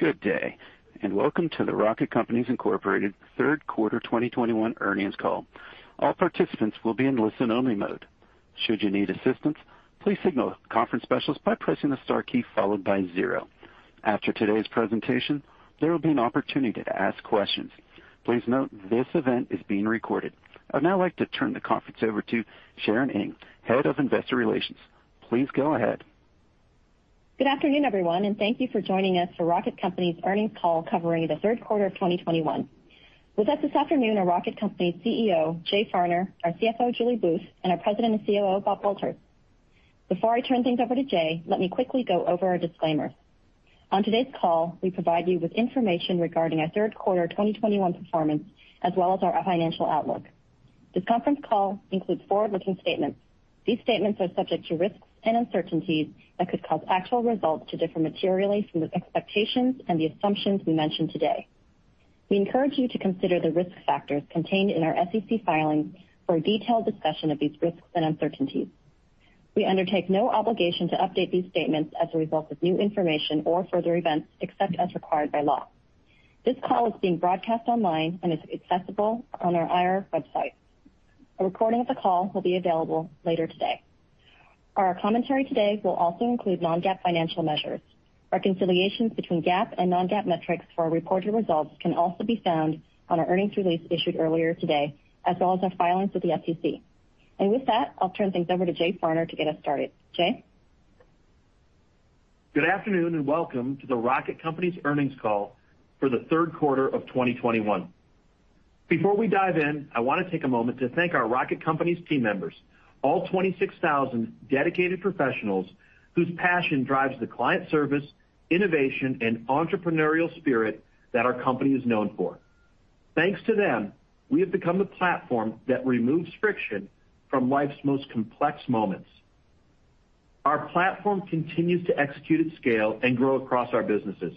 Good day, and welcome to the Rocket Companies, Inc. third quarter 2021 earnings call. All participants will be in listen-only mode. Should you need assistance, please signal a conference specialist by pressing the star key followed by zero. After today's presentation, there will be an opportunity to ask questions. Please note this event is being recorded. I'd now like to turn the conference over to Sharon Ng, Head of Investor Relations. Please go ahead. Good afternoon, everyone, and thank you for joining us for Rocket Companies' earnings call covering the third quarter of 2021. With us this afternoon are Rocket Companies CEO, Jay Farner, our CFO, Julie Booth, and our President and COO, Bob Walters. Before I turn things over to Jay, let me quickly go over our disclaimer. On today's call, we provide you with information regarding our third quarter 2021 performance, as well as our financial outlook. This conference call includes forward-looking statements. These statements are subject to risks and uncertainties that could cause actual results to differ materially from the expectations and the assumptions we mention today. We encourage you to consider the risk factors contained in our SEC filings for a detailed discussion of these risks and uncertainties. We undertake no obligation to update these statements as a result of new information or further events except as required by law. This call is being broadcast online and is accessible on our IR website. A recording of the call will be available later today. Our commentary today will also include non-GAAP financial measures. Reconciliations between GAAP and non-GAAP metrics for our reported results can also be found on our earnings release issued earlier today, as well as our filings with the SEC. With that, I'll turn things over to Jay Farner to get us started. Jay? Good afternoon, and welcome to the Rocket Companies earnings call for the third quarter of 2021. Before we dive in, I wanna take a moment to thank our Rocket Companies team members, all 26,000 dedicated professionals whose passion drives the client service, innovation, and entrepreneurial spirit that our company is known for. Thanks to them, we have become the platform that removes friction from life's most complex moments. Our platform continues to execute at scale and grow across our businesses.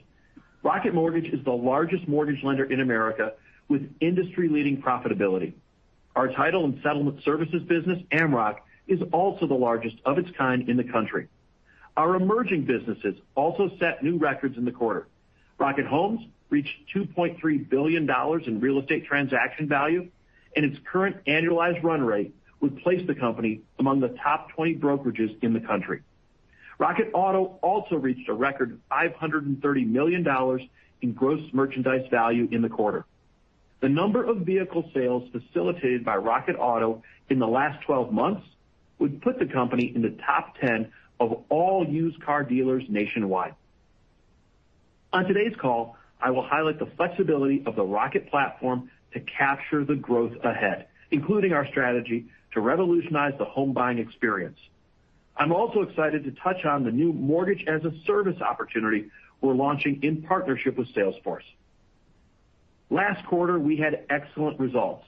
Rocket Mortgage is the largest mortgage lender in America with industry-leading profitability. Our title and settlement services business, Amrock, is also the largest of its kind in the country. Our emerging businesses also set new records in the quarter. Rocket Homes reached $2.3 billion in real estate transaction value, and its current annualized run rate would place the company among the top 20 brokerages in the country. Rocket Auto also reached a record $530 million in gross merchandise value in the quarter. The number of vehicle sales facilitated by Rocket Auto in the last 12 months would put the company in the top 10 of all used car dealers nationwide. On today's call, I will highlight the flexibility of the Rocket platform to capture the growth ahead, including our strategy to revolutionize the home buying experience. I'm also excited to touch on the new Mortgage as a Service opportunity we're launching in partnership with Salesforce. Last quarter, we had excellent results,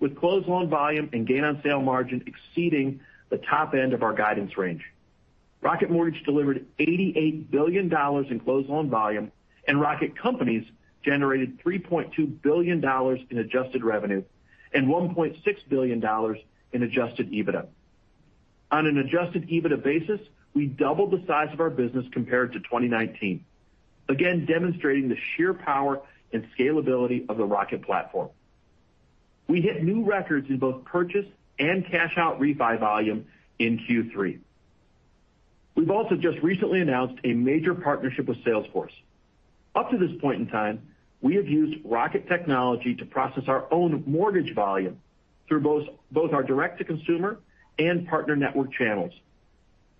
with closed loan volume and gain on sale margin exceeding the top end of our guidance range. Rocket Mortgage delivered $88 billion in closed loan volume, and Rocket Companies generated $3.2 billion in adjusted revenue and $1.6 billion in adjusted EBITDA. On an adjusted EBITDA basis, we doubled the size of our business compared to 2019, again demonstrating the sheer power and scalability of the Rocket platform. We hit new records in both purchase and cash out refi volume in Q3. We've also just recently announced a major partnership with Salesforce. Up to this point in time, we have used Rocket technology to process our own mortgage volume through both our direct-to-consumer and partner network channels.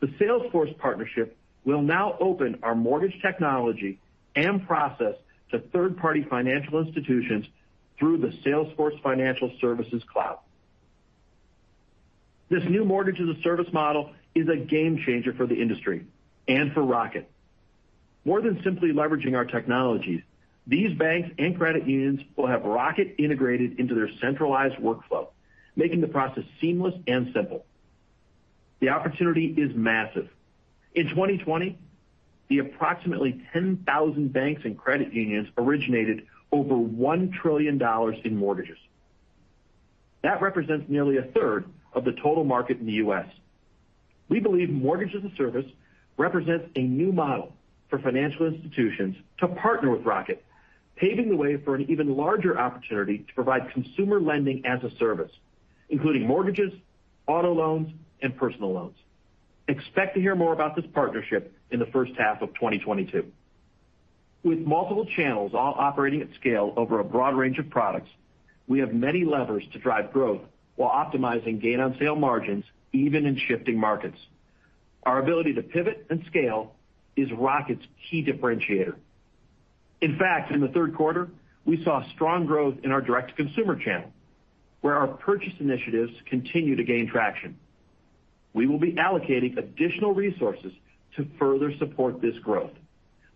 The Salesforce partnership will now open our mortgage technology and process to third-party financial institutions through the Salesforce Financial Services Cloud. This new Mortgage-as-a-Service model is a game changer for the industry and for Rocket. More than simply leveraging our technologies, these banks and credit unions will have Rocket integrated into their centralized workflow, making the process seamless and simple. The opportunity is massive. In 2020, the approximately 10,000 banks and credit unions originated over $1 trillion in mortgages. That represents nearly 1/3 of the total market in the U.S. We believe Mortgage as a Service represents a new model for financial institutions to partner with Rocket, paving the way for an even larger opportunity to provide consumer lending as a service, including mortgages, auto loans, and personal loans. Expect to hear more about this partnership in the first half of 2022. With multiple channels all operating at scale over a broad range of products, we have many levers to drive growth while optimizing gain on sale margins, even in shifting markets. Our ability to pivot and scale is Rocket's key differentiator. In fact, in the third quarter, we saw strong growth in our direct-to-consumer channel, where our purchase initiatives continue to gain traction. We will be allocating additional resources to further support this growth.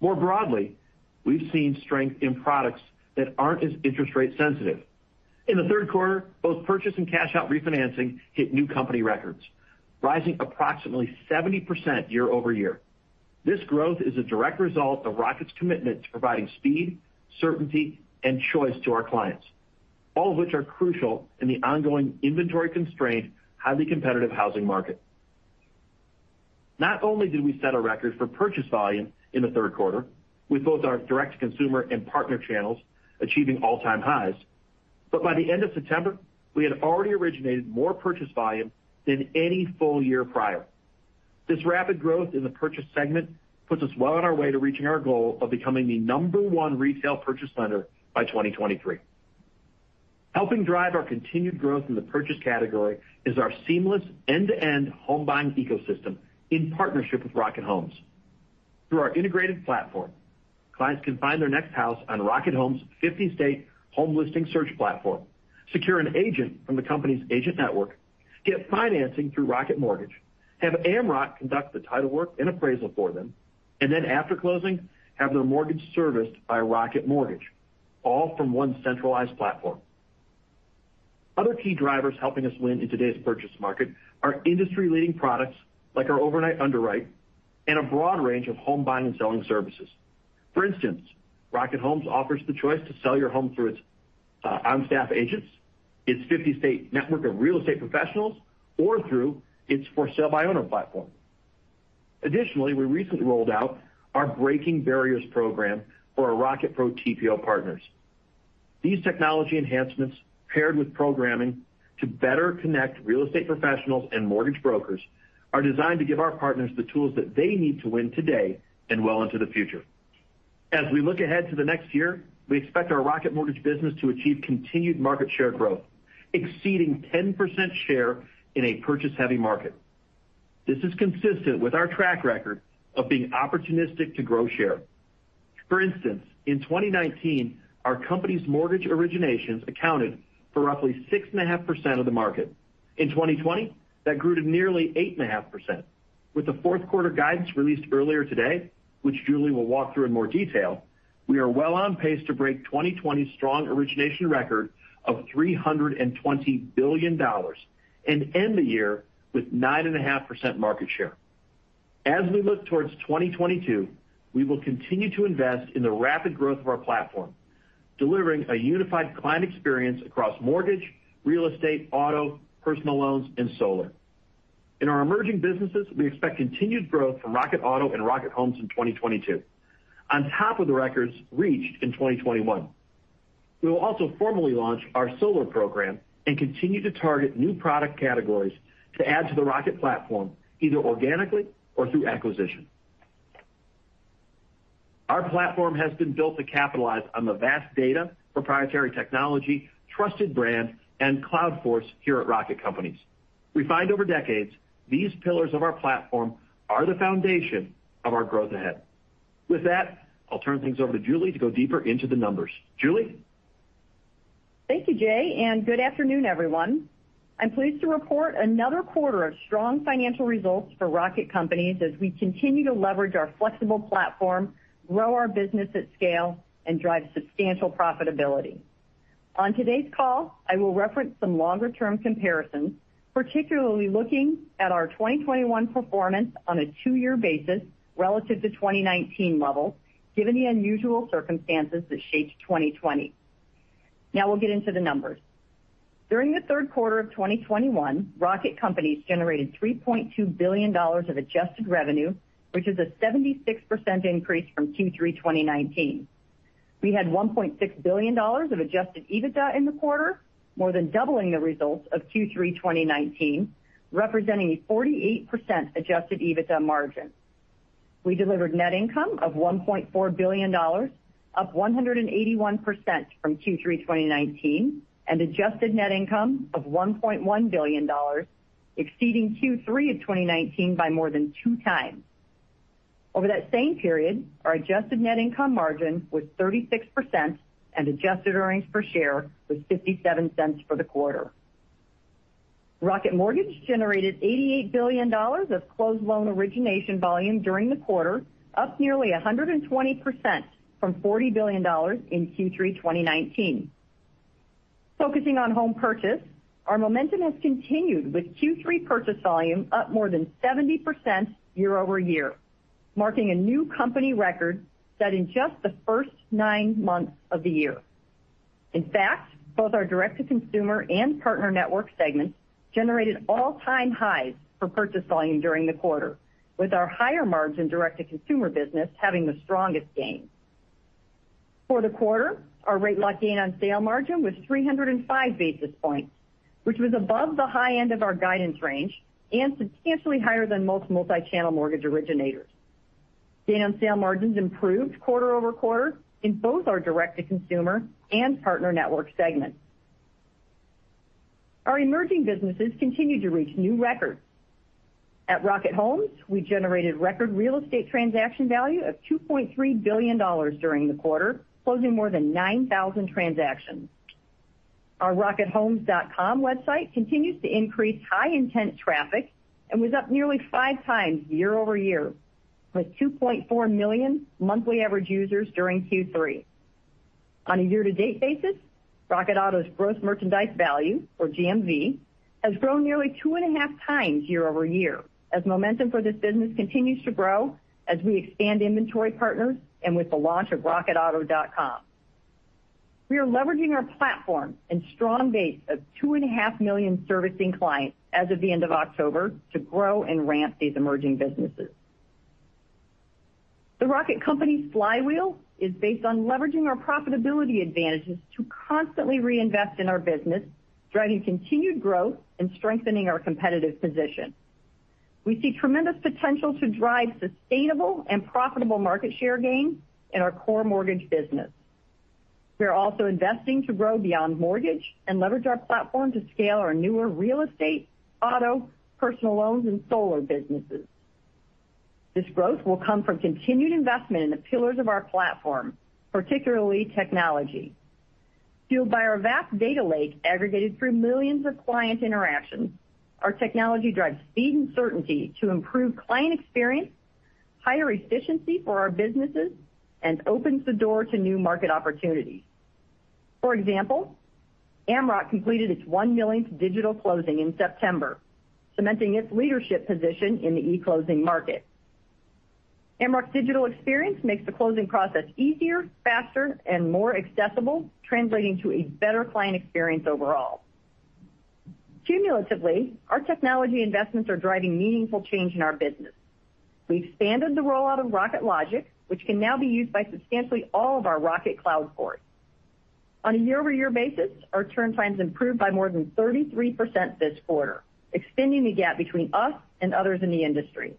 More broadly, we've seen strength in products that aren't as interest rate sensitive. In the third quarter, both purchase and cash-out refinancing hit new company records, rising approximately 70% year-over-year. This growth is a direct result of Rocket's commitment to providing speed, certainty, and choice to our clients. All of which are crucial in the ongoing inventory-constrained, highly competitive housing market. Not only did we set a record for purchase volume in the third quarter, with both our direct consumer and partner channels achieving all-time highs, but by the end of September, we had already originated more purchase volume than any full year prior. This rapid growth in the purchase segment puts us well on our way to reaching our goal of becoming the number one retail purchase lender by 2023. Helping drive our continued growth in the purchase category is our seamless end-to-end home buying ecosystem in partnership with Rocket Homes. Through our integrated platform, clients can find their next house on Rocket Homes' 50-state home listing search platform, secure an agent from the company's agent network, get financing through Rocket Mortgage, have Amrock conduct the title work and appraisal for them, and then after closing, have their mortgage serviced by Rocket Mortgage, all from one centralized platform. Other key drivers helping us win in today's purchase market are industry-leading products, like our Overnight Underwrite, and a broad range of home buying and selling services. For instance, Rocket Homes offers the choice to sell your home through its on-staff agents, its 50-state network of real estate professionals, or through its for-sale by owner platform. Additionally, we recently rolled out our Breaking Barriers program for our Rocket Pro TPO partners. These technology enhancements, paired with programming to better connect real estate professionals and mortgage brokers, are designed to give our partners the tools that they need to win today and well into the future. As we look ahead to the next year, we expect our Rocket Mortgage business to achieve continued market share growth, exceeding 10% share in a purchase-heavy market. This is consistent with our track record of being opportunistic to grow share. For instance, in 2019, our company's mortgage originations accounted for roughly 6.5% of the market. In 2020, that grew to nearly 8.5%. With the fourth quarter guidance released earlier today, which Julie will walk through in more detail, we are well on pace to break 2020's strong origination record of $320 billion and end the year with 9.5% market share. As we look towards 2022, we will continue to invest in the rapid growth of our platform, delivering a unified client experience across mortgage, real estate, auto, personal loans, and solar. In our emerging businesses, we expect continued growth from Rocket Auto and Rocket Homes in 2022, on top of the records reached in 2021. We will also formally launch our solar program and continue to target new product categories to add to the Rocket platform, either organically or through acquisition. Our platform has been built to capitalize on the vast data, proprietary technology, trusted brand, and Cloud Force here at Rocket Companies. We find over decades, these pillars of our platform are the foundation of our growth ahead. With that, I'll turn things over to Julie to go deeper into the numbers. Julie? Thank you, Jay, and good afternoon, everyone. I'm pleased to report another quarter of strong financial results for Rocket Companies as we continue to leverage our flexible platform, grow our business at scale, and drive substantial profitability. On today's call, I will reference some longer-term comparisons, particularly looking at our 2021 performance on a two-year basis relative to 2019 levels, given the unusual circumstances that shaped 2020. Now we'll get into the numbers. During the third quarter of 2021, Rocket Companies generated $3.2 billion of adjusted revenue, which is a 76% increase from Q3 2019. We had $1.6 billion of adjusted EBITDA in the quarter, more than doubling the results of Q3 2019, representing a 48% adjusted EBITDA margin. We delivered net income of $1.4 billion, up 181% from Q3 2019, and adjusted net income of $1.1 billion, exceeding Q3 2019 by more than 2x. Over that same period, our adjusted net income margin was 36% and adjusted earnings per share was $0.57 for the quarter. Rocket Mortgage generated $88 billion of closed loan origination volume during the quarter, up nearly 120% from $40 billion in Q3 2019. Focusing on home purchase, our momentum has continued with Q3 purchase volume up more than 70% year-over-year, marking a new company record set in just the first nine months of the year. In fact, both our direct-to-consumer and partner network segments generated all-time highs for purchase volume during the quarter, with our higher-margin direct-to-consumer business having the strongest gains. For the quarter, our rate lock gain on sale margin was 305 basis points, which was above the high end of our guidance range and substantially higher than most multichannel mortgage originators. Gain on sale margins improved quarter-over-quarter in both our direct-to-consumer and partner network segments. Our emerging businesses continue to reach new records. At Rocket Homes, we generated record real estate transaction value of $2.3 billion during the quarter, closing more than 9,000 transactions. Our rockethomes.com website continues to increase high-intent traffic and was up nearly 5x year-over-year, with 2.4 million monthly average users during Q3. On a year-to-date basis, Rocket Auto's gross merchandise value, or GMV, has grown nearly 2.5x year-over-year as momentum for this business continues to grow as we expand inventory partners and with the launch of rocketauto.com. We are leveraging our platform and strong base of 2.5 million servicing clients as of the end of October to grow and ramp these emerging businesses. Rocket Companies' flywheel is based on leveraging our profitability advantages to constantly reinvest in our business, driving continued growth and strengthening our competitive position. We see tremendous potential to drive sustainable and profitable market share gain in our core mortgage business. We are also investing to grow beyond mortgage and leverage our platform to scale our newer real estate, auto, personal loans, and solar businesses. This growth will come from continued investment in the pillars of our platform, particularly technology. Fueled by our vast data lake aggregated through millions of client interactions, our technology drives speed and certainty to improve client experience, higher efficiency for our businesses, and opens the door to new market opportunities. For example, Amrock completed its one millionth digital closing in September, cementing its leadership position in the e-closing market. Amrock's digital experience makes the closing process easier, faster, and more accessible, translating to a better client experience overall. Cumulatively, our technology investments are driving meaningful change in our business. We expanded the rollout of Rocket Logic, which can now be used by substantially all of our Rocket Cloud Force. On a year-over-year basis, our turn times improved by more than 33% this quarter, extending the gap between us and others in the industry.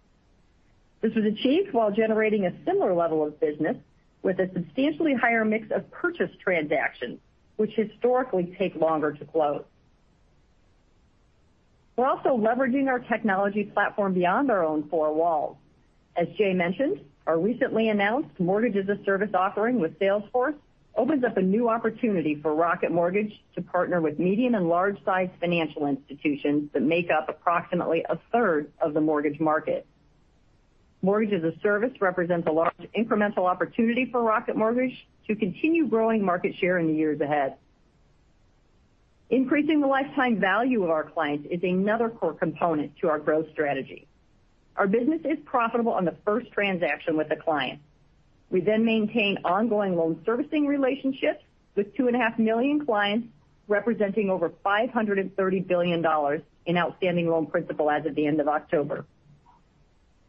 This was achieved while generating a similar level of business with a substantially higher mix of purchase transactions, which historically take longer to close. We're also leveraging our technology platform beyond our own four walls. As Jay mentioned, our recently announced Mortgage as a Service offering with Salesforce opens up a new opportunity for Rocket Mortgage to partner with medium and large-sized financial institutions that make up approximately 1/3 of the mortgage market. Mortgage as a Service represents a large incremental opportunity for Rocket Mortgage to continue growing market share in the years ahead. Increasing the lifetime value of our clients is another core component to our growth strategy. Our business is profitable on the first transaction with the client. We then maintain ongoing loan servicing relationships with 2.5 million clients, representing over $530 billion in outstanding loan principal as of the end of October.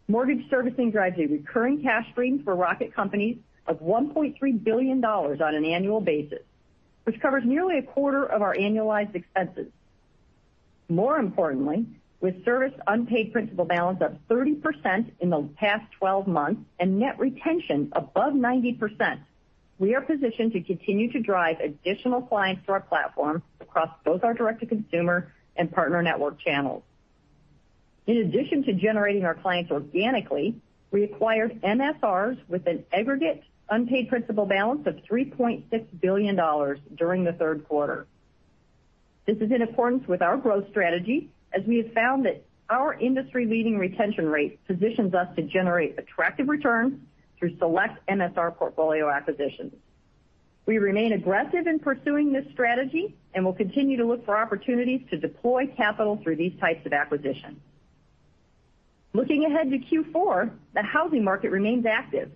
Mortgage servicing drives a recurring cash stream for Rocket Companies of $1.3 billion on an annual basis, which covers nearly 1/4 of our annualized expenses. More importantly, with service unpaid principal balance up 30% in the past 12 months and net retention above 90%, we are positioned to continue to drive additional clients to our platform across both our direct-to-consumer and partner network channels. In addition to generating our clients organically, we acquired MSRs with an aggregate unpaid principal balance of $3.6 billion during the third quarter. This is in accordance with our growth strategy, as we have found that our industry-leading retention rate positions us to generate attractive returns through select MSR portfolio acquisitions. We remain aggressive in pursuing this strategy and will continue to look for opportunities to deploy capital through these types of acquisitions. Looking ahead to Q4, the housing market remains active.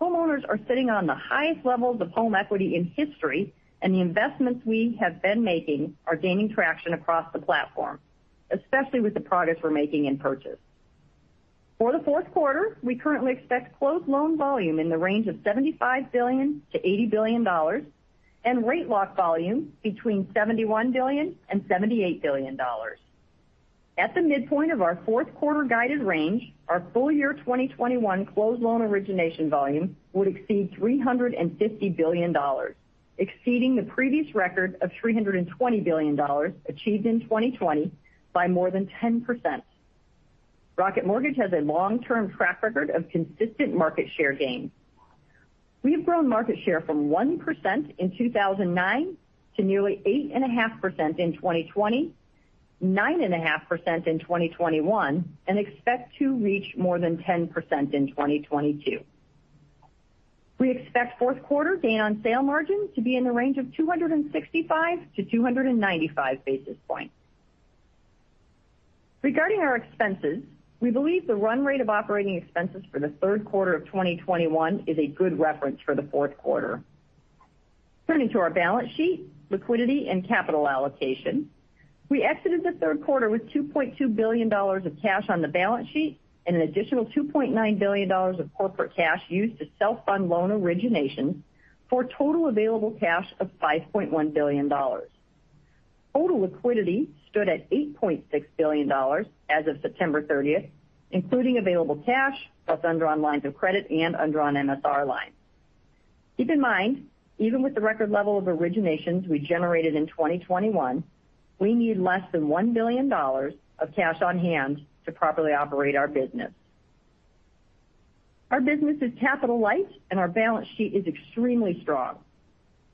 Homeowners are sitting on the highest levels of home equity in history, and the investments we have been making are gaining traction across the platform, especially with the progress we're making in purchase. For the fourth quarter, we currently expect closed loan volume in the range of $75 billion-$80 billion and rate lock volume between $71 billion and $78 billion. At the midpoint of our fourth quarter guided range, our full year 2021 closed loan origination volume would exceed $350 billion, exceeding the previous record of $320 billion achieved in 2020 by more than 10%. Rocket Mortgage has a long-term track record of consistent market share gains. We've grown market share from 1% in 2009 to nearly 8.5% in 2020, 9.5% in 2021, and expect to reach more than 10% in 2022. We expect fourth quarter gain on sale margins to be in the range of 265 basis points-295 basis points. Regarding our expenses, we believe the run rate of operating expenses for the third quarter of 2021 is a good reference for the fourth quarter. Turning to our balance sheet, liquidity, and capital allocation, we exited the third quarter with $2.2 billion of cash on the balance sheet and an additional $2.9 billion of corporate cash used to self-fund loan originations for a total available cash of $5.1 billion. Total liquidity stood at $8.6 billion as of September 30, including available cash, both undrawn lines of credit and undrawn MSR lines. Keep in mind, even with the record level of originations we generated in 2021, we need less than $1 billion of cash on hand to properly operate our business. Our business is capital light, and our balance sheet is extremely strong.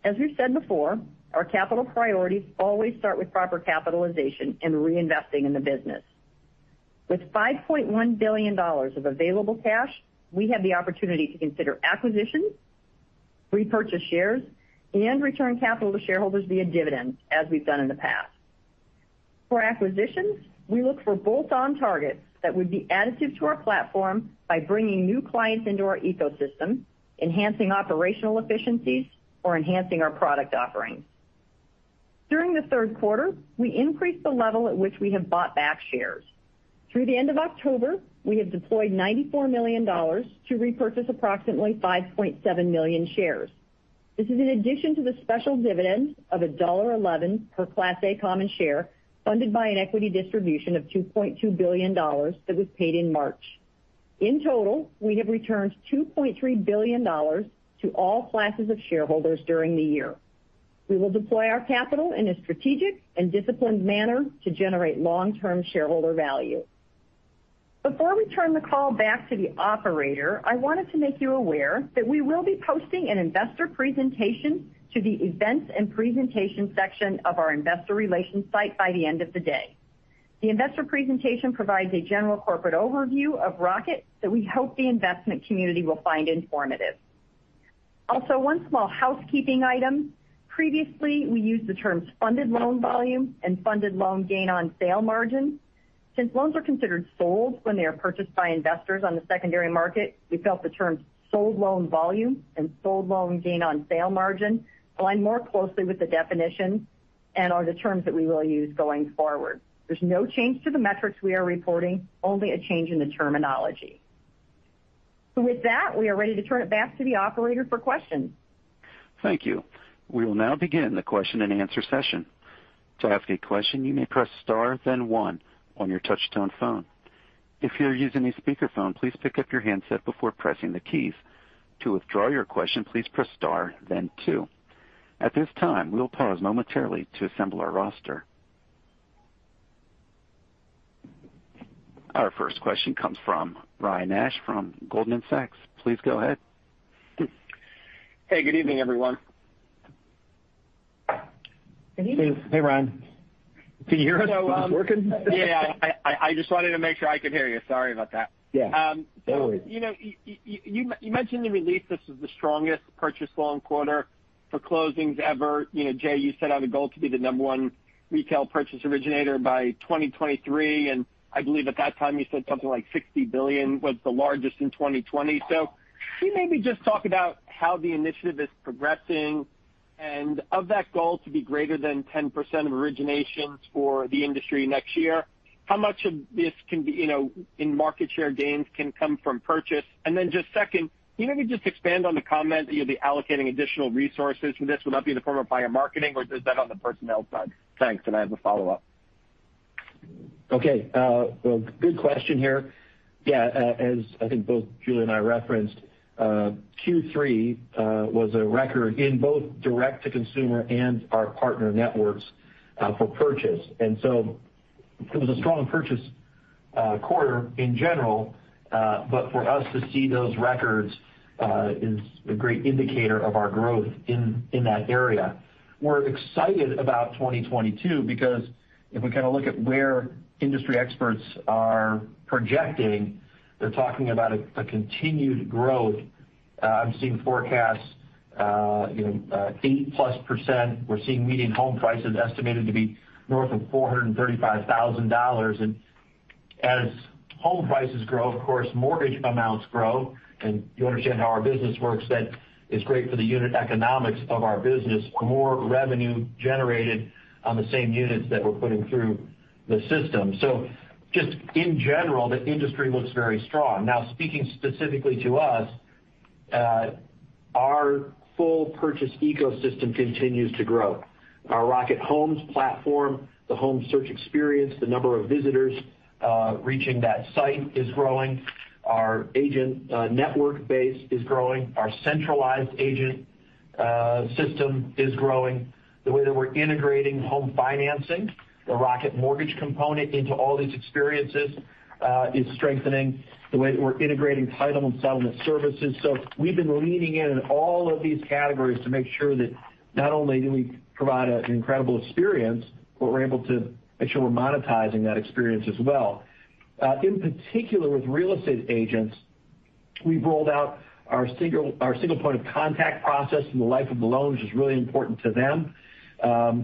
As we've said before, our capital priorities always start with proper capitalization and reinvesting in the business. With $5.1 billion of available cash, we have the opportunity to consider acquisitions. Repurchase shares and return capital to shareholders via dividends as we've done in the past. For acquisitions, we look for bolt-on targets that would be additive to our platform by bringing new clients into our ecosystem, enhancing operational efficiencies or enhancing our product offerings. During the third quarter, we increased the level at which we have bought back shares. Through the end of October, we have deployed $94 million to repurchase approximately 5.7 million shares. This is in addition to the special dividend of $1.11 per Class A common share, funded by an equity distribution of $2.2 billion that was paid in March. In total, we have returned $2.3 billion to all classes of shareholders during the year. We will deploy our capital in a strategic and disciplined manner to generate long-term shareholder value. Before we turn the call back to the operator, I wanted to make you aware that we will be posting an investor presentation to the Events & Presentations section of our investor relations site by the end of the day. The investor presentation provides a general corporate overview of Rocket that we hope the investment community will find informative. Also, one small housekeeping item. Previously, we used the terms funded loan volume and funded loan gain on sale margin. Since loans are considered sold when they are purchased by investors on the secondary market, we felt the terms sold loan volume and sold loan gain on sale margin align more closely with the definition and are the terms that we will use going forward. There's no change to the metrics we are reporting, only a change in the terminology. With that, we are ready to turn it back to the operator for questions. Thank you. We will now begin the question-and-answer session. To ask a question, you may press star, then one on your touchtone phone. If you're using a speakerphone, please pick up your handset before pressing the keys. To withdraw your question, please press star then two. At this time, we'll pause momentarily to assemble our roster. Our first question comes from Ryan Nash from Goldman Sachs. Please go ahead. Hey, good evening, everyone. Good evening. Hey, Ryan. Can you hear us? Are you working? Yeah. I just wanted to make sure I could hear you. Sorry about that. Yeah, no worries. You know, you mentioned the release. This was the strongest purchase loan quarter for closings ever. You know, Jay, you set out a goal to be the number one retail purchase originator by 2023, and I believe at that time you said something like $60 billion was the largest in 2020. Can you maybe just talk about how the initiative is progressing, and of that goal to be greater than 10% of originations for the industry next year, how much of this can be, you know, in market share gains can come from purchase? Just second, can you maybe just expand on the comment that you'll be allocating additional resources for this? Will that be in the form of buyer marketing, or is that on the personnel side? Thanks. I have a follow-up. Okay, well, good question here. Yeah, as I think both Julie and I referenced, Q3 was a record in both direct to consumer and our partner networks for purchase. It was a strong purchase quarter in general. For us to see those records is a great indicator of our growth in that area. We're excited about 2022 because if we kind of look at where industry experts are projecting, they're talking about a continued growth. I'm seeing forecasts, you know, 8%+. We're seeing median home prices estimated to be north of $435,000. As home prices grow, of course mortgage amounts grow. You understand how our business works, that is great for the unit economics of our business, more revenue generated on the same units that we're putting through the system. Just in general, the industry looks very strong. Now, speaking specifically to us, our full purchase ecosystem continues to grow. Our Rocket Homes platform, the home search experience, the number of visitors reaching that site is growing. Our agent network base is growing. Our centralized agent system is growing. The way that we're integrating home financing, the Rocket Mortgage component into all these experiences, is strengthening the way that we're integrating title and settlement services. We've been leaning in in all of these categories to make sure that not only do we provide an incredible experience, but we're able to make sure we're monetizing that experience as well. In particular, with real estate agents, we've rolled out our single point of contact process in the life of the loan, which is really important to them.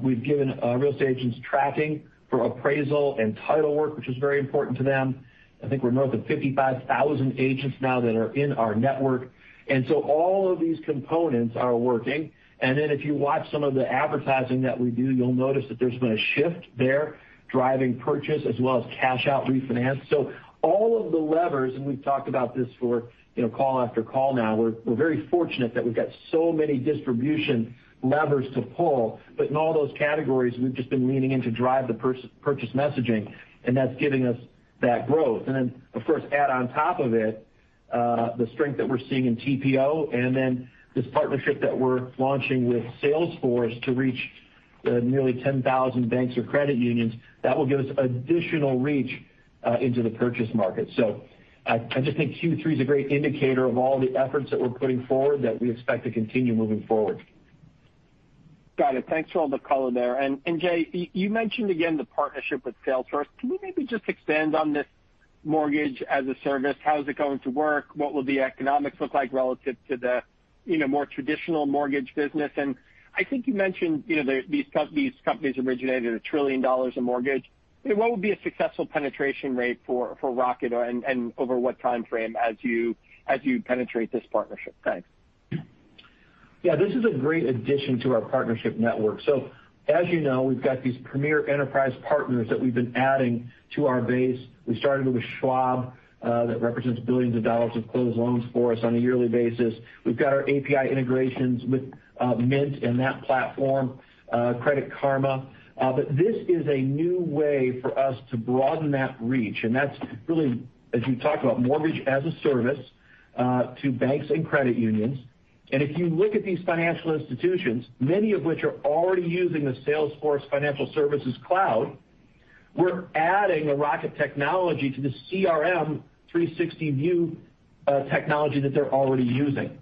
We've given real estate agents tracking for appraisal and title work, which is very important to them. I think we're north of 55,000 agents now that are in our network. All of these components are working. If you watch some of the advertising that we do, you'll notice that there's been a shift there driving purchase as well as cash out refinance. All of the levers, and we've talked about this for, you know, call after call now, we're very fortunate that we've got so many distribution levers to pull. In all those categories, we've just been leaning in to drive the purchase messaging, and that's giving us that growth. Of course, add on top of it, the strength that we're seeing in TPO and then this partnership that we're launching with Salesforce to reach nearly 10,000 banks or credit unions. That will give us additional reach into the purchase market. I just think Q3 is a great indicator of all the efforts that we're putting forward that we expect to continue moving forward. Got it. Thanks for all the color there. Jay, you mentioned again the partnership with Salesforce. Can you maybe just expand on this Mortgage as a Service? How is it going to work? What will the economics look like relative to the, you know, more traditional mortgage business? I think you mentioned, you know, these companies originated $1 trillion in mortgages. What would be a successful penetration rate for Rocket and over what time frame as you penetrate this partnership? Thanks. Yeah. This is a great addition to our partnership network. As you know, we've got these premier enterprise partners that we've been adding to our base. We started with Schwab, that represents billions of dollars closed loans for us on a yearly basis. We've got our API integrations with Mint and that platform, Credit Karma. This is a new way for us to broaden that reach, and that's really, as you talked about, Mortgage as a Service to banks and credit unions. If you look at these financial institutions, many of which are already using the Salesforce Financial Services Cloud, we're adding a Rocket technology to the CRM 360 view technology that they're already using.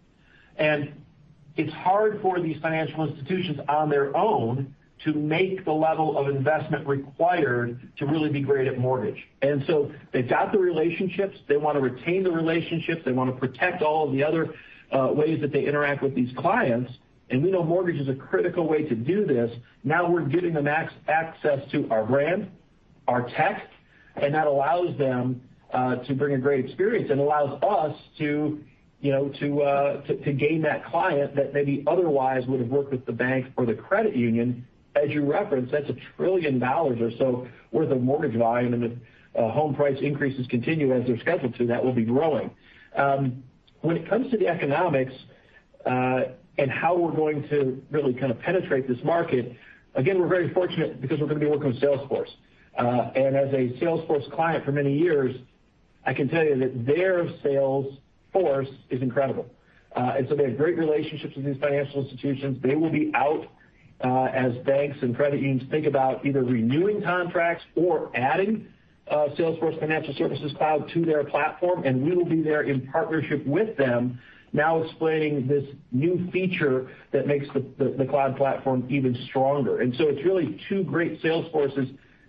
It's hard for these financial institutions on their own to make the level of investment required to really be great at mortgage. They've got the relationships. They wanna retain the relationships. They wanna protect all of the other ways that they interact with these clients. We know mortgage is a critical way to do this. Now we're giving them access to our brand, our tech, and that allows them to bring a great experience and allows us to, you know, to gain that client that maybe otherwise would have worked with the bank or the credit union. As you referenced, that's $1 trillion or so worth of mortgage volume, and the home price increases continue as they're scheduled to, that will be growing. When it comes to the economics and how we're going to really kind of penetrate this market, again, we're very fortunate because we're gonna be working with Salesforce. As a Salesforce client for many years, I can tell you that their sales force is incredible. They have great relationships with these financial institutions. They will be out as banks and credit unions think about either renewing contracts or adding Salesforce Financial Services Cloud to their platform, and we will be there in partnership with them now explaining this new feature that makes the cloud platform even stronger. It's really two great sales forces,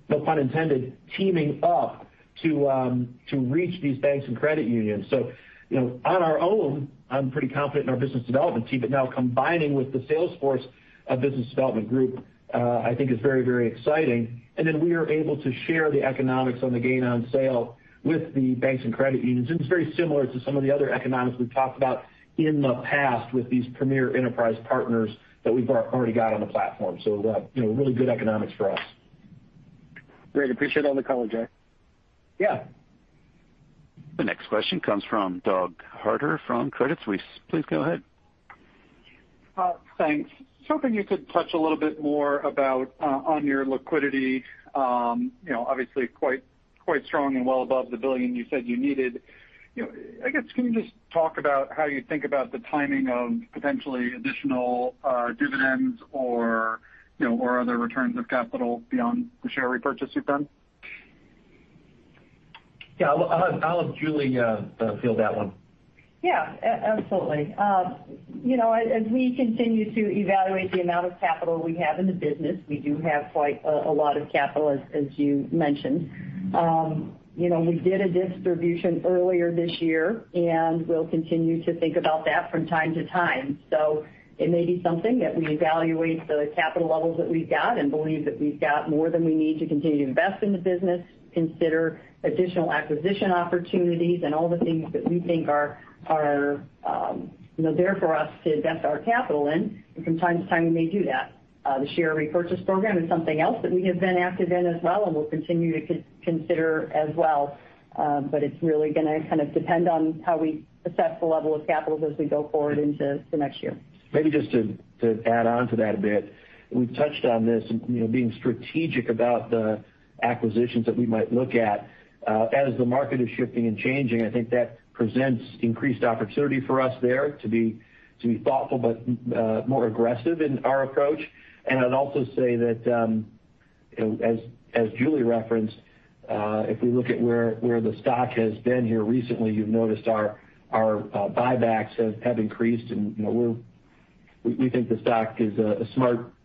no pun intended, teaming up to reach these banks and credit unions. You know, on our own, I'm pretty confident in our business development team, but now combining with the Salesforce business development group, I think is very, very exciting. We are able to share the economics on the gain on sale with the banks and credit unions, and it's very similar to some of the other economics we've talked about in the past with these premier enterprise partners that we've already got on the platform. You know, really good economics for us. Great. I appreciate all the color, Jay. Yeah. The next question comes from Doug Harter from Credit Suisse. Please go ahead. Thanks. I was hoping you could touch a little bit more about on your liquidity, you know, obviously quite strong and well above the $1 billion you said you needed. You know, I guess, can you just talk about how you think about the timing of potentially additional dividends or, you know, or other returns of capital beyond the share repurchase you've done? Yeah. I'll have Julie field that one. Yeah. Absolutely. You know, as we continue to evaluate the amount of capital we have in the business, we do have quite a lot of capital, as you mentioned. You know, we did a distribution earlier this year, and we'll continue to think about that from time to time. It may be something that we evaluate the capital levels that we've got and believe that we've got more than we need to continue to invest in the business, consider additional acquisition opportunities, and all the things that we think are, you know, there for us to invest our capital in. From time to time, we may do that. The share repurchase program is something else that we have been active in as well and will continue to consider as well. It's really gonna kind of depend on how we assess the level of capital as we go forward into the next year. Maybe just to add on to that a bit. We've touched on this, you know, being strategic about the acquisitions that we might look at. As the market is shifting and changing, I think that presents increased opportunity for us there to be thoughtful but more aggressive in our approach. I'd also say that, you know, as Julie referenced, if we look at where the stock has been here recently, you've noticed our buybacks have increased. You know,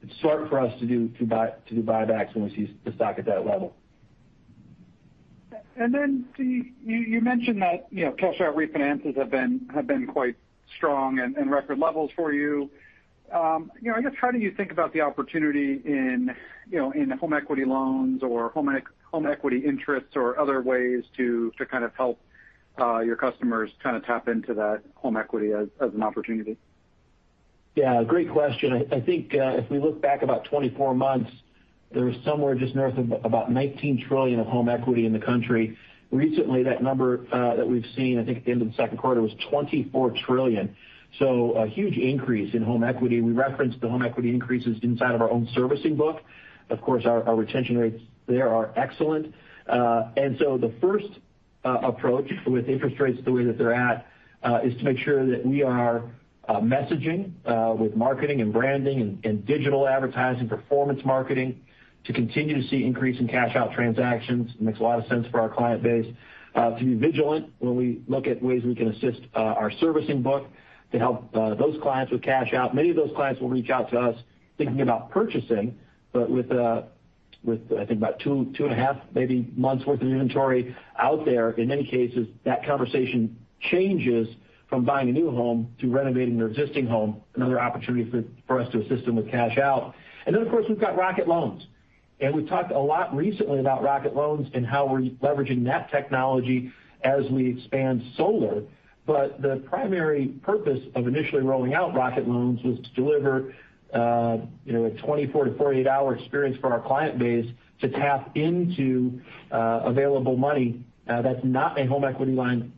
it's smart for us to do buybacks when we see the stock at that level. You mentioned that cash-out refinances have been quite strong and record levels for you. You know, I guess how do you think about the opportunity in, you know, in home equity loans or home equity interests or other ways to kind of help your customers kind of tap into that home equity as an opportunity? Yeah, great question. I think if we look back about 24 months, there was somewhere just north of about $19 trillion of home equity in the country. Recently, that number that we've seen, I think at the end of the second quarter, was $24 trillion. A huge increase in home equity. We referenced the home equity increases inside of our own servicing book. Of course, our retention rates there are excellent. The first approach with interest rates the way that they're at is to make sure that we are messaging with marketing and branding and digital advertising, performance marketing to continue to see increase in cash-out transactions. It makes a lot of sense for our client base to be vigilant when we look at ways we can assist our servicing book to help those clients with cash out. Many of those clients will reach out to us thinking about purchasing, but with, I think, about 2.5 months worth of inventory out there, in many cases, that conversation changes from buying a new home to renovating their existing home, another opportunity for us to assist them with cash out. Of course, we've got Rocket Loans. We've talked a lot recently about Rocket Loans and how we're leveraging that technology as we expand solar. The primary purpose of initially rolling out Rocket Loans was to deliver, you know, a 24-48 hour experience for our client base to tap into available money that's not a home equity line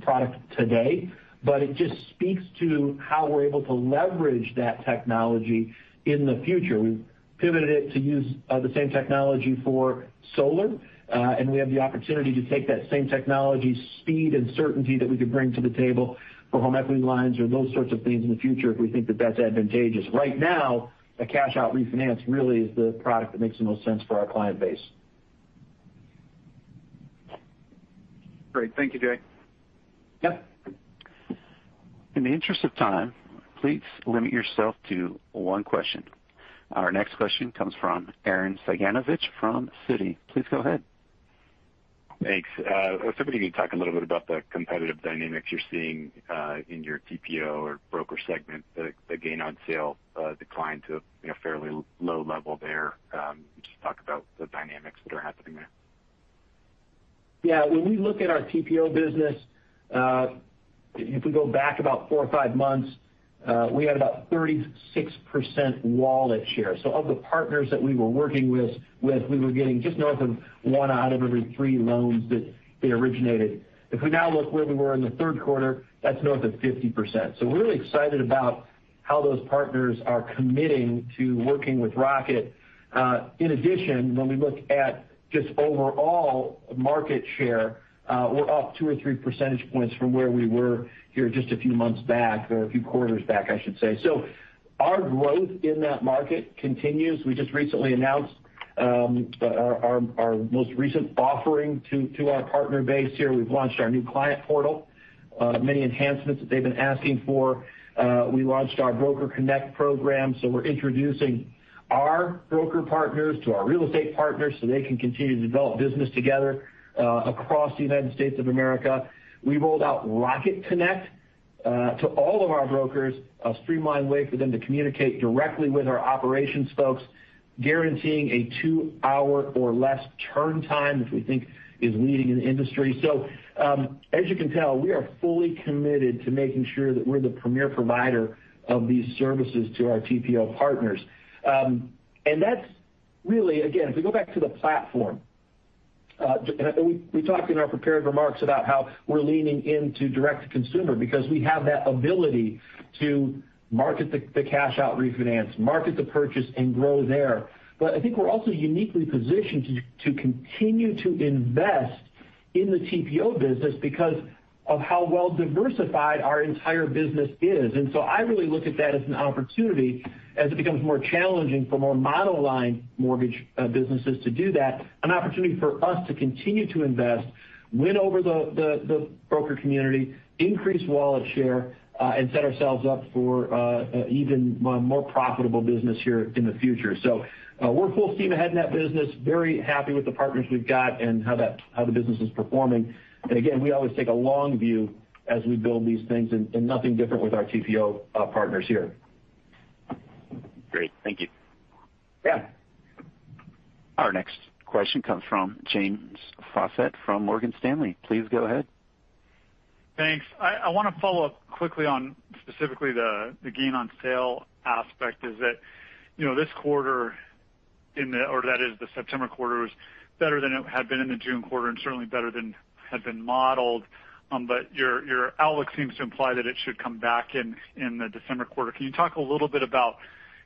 product today, but it just speaks to how we're able to leverage that technology in the future. We've pivoted it to use the same technology for solar, and we have the opportunity to take that same technology, speed, and certainty that we could bring to the table for home equity lines or those sorts of things in the future if we think that that's advantageous. Right now, a cash out refinance really is the product that makes the most sense for our client base. Great. Thank you, Jay. Yep. In the interest of time, please limit yourself to one question. Our next question comes from Arren Cyganovich from Citi. Please go ahead. Thanks. I was hoping you could talk a little bit about the competitive dynamics you're seeing in your TPO or broker segment. The gain on sale declined to, you know, fairly low level there. Can you just talk about the dynamics that are happening there? Yeah. When we look at our TPO business, if we go back about four or five months, we had about 36% wallet share. Of the partners that we were working with, we were getting just north of one out of every three loans that they originated. If we now look where we were in the third quarter, that's north of 50%. We're really excited about how those partners are committing to working with Rocket. In addition, when we look at just overall market share, we're up 2 or 3 percentage points from where we were here just a few months back, or a few quarters back, I should say. Our growth in that market continues. We just recently announced our most recent offering to our partner base here. We've launched our new client portal, many enhancements that they've been asking for. We launched our Broker Connect program, so we're introducing our broker partners to our real estate partners so they can continue to develop business together, across the United States of America. We rolled out Rocket Connect to all of our brokers, a streamlined way for them to communicate directly with our operations folks, guaranteeing a two-hour or less turn time, which we think is leading in the industry. As you can tell, we are fully committed to making sure that we're the premier provider of these services to our TPO partners. That's really, again, if we go back to the platform, and we talked in our prepared remarks about how we're leaning into direct-to-consumer because we have that ability to market the cash out refinance, market the purchase, and grow there. I think we're also uniquely positioned to continue to invest in the TPO business because of how well diversified our entire business is. I really look at that as an opportunity as it becomes more challenging for more mono-line mortgage businesses to do that, an opportunity for us to continue to invest, win over the broker community, increase wallet share, and set ourselves up for even more profitable business here in the future. We're full steam ahead in that business, very happy with the partners we've got and how the business is performing. We always take a long view as we build these things, and nothing different with our TPO partners here. Great. Thank you. Yeah. Our next question comes from James Faucette from Morgan Stanley. Please go ahead. Thanks. I wanna follow up quickly on specifically the gain on sale aspect. You know, this quarter or that is the September quarter was better than it had been in the June quarter and certainly better than had been modeled. But your outlook seems to imply that it should come back in the December quarter. Can you talk a little bit about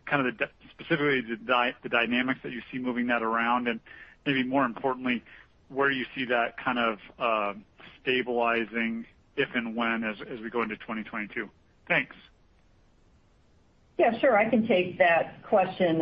kind of specifically the dynamics that you see moving that around, and maybe more importantly, where you see that kind of stabilizing, if and when as we go into 2022? Thanks. Yeah, sure. I can take that question.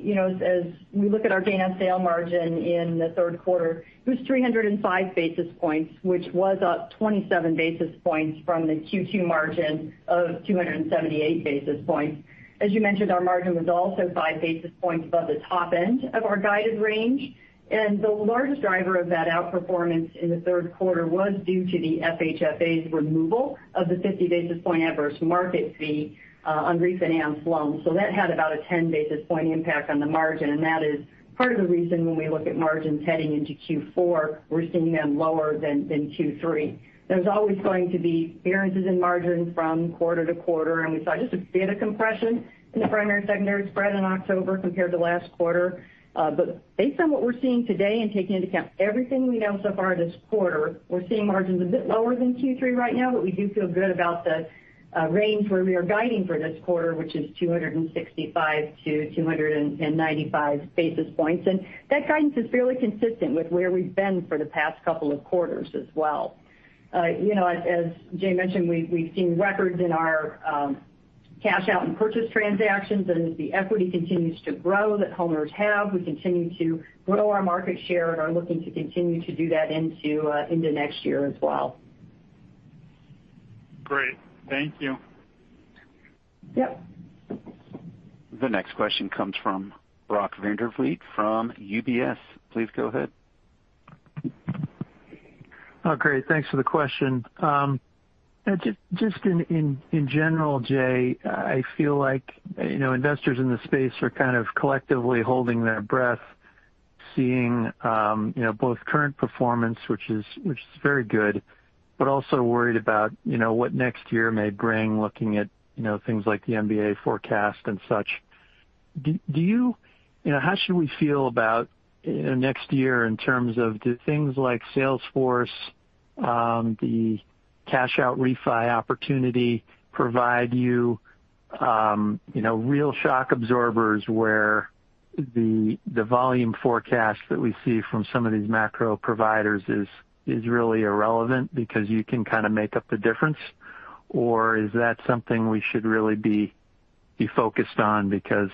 You know, as we look at our gain on sale margin in the third quarter, it was 305 basis points, which was up 27 basis points from the Q2 margin of 278 basis points. As you mentioned, our margin was also five basis points above the top end of our guided range. The largest driver of that outperformance in the third quarter was due to the FHFA's removal of the 50 basis point adverse market fee on refinanced loans. That had about a 10 basis point impact on the margin, and that is part of the reason when we look at margins heading into Q4, we're seeing them lower than Q3. There's always going to be variances in margin from quarter to quarter, and we saw just a bit of compression in the primary secondary spread in October compared to last quarter. Based on what we're seeing today and taking into account everything we know so far this quarter, we're seeing margins a bit lower than Q3 right now, but we do feel good about the range where we are guiding for this quarter, which is 265 basis points-295 basis points. That guidance is fairly consistent with where we've been for the past couple of quarters as well. You know, as Jay mentioned, we've seen records in our cash out and purchase transactions, and as the equity continues to grow that homeowners have, we continue to grow our market share and are looking to continue to do that into next year as well. Thank you. Yep. The next question comes from Brock Vandervliet from UBS. Please go ahead. Oh, great. Thanks for the question. Just in general, Jay, I feel like, you know, investors in the space are kind of collectively holding their breath, seeing, you know, both current performance, which is very good, but also worried about, you know, what next year may bring, looking at, you know, things like the MBA forecast and such. Do you... You know, how should we feel about, you know, next year in terms of do things like Salesforce, the cash out refi opportunity provide you know, real shock absorbers where the volume forecast that we see from some of these macro providers is really irrelevant because you can kind of make up the difference? Is that something we should really be focused on because,